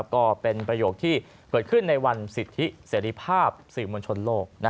ก็เป็นประโยคที่เกิดขึ้นในวันสิทธิเสรีภาพสื่อมวลชนโลก